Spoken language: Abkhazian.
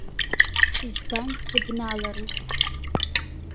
Избан сзыбналарыз?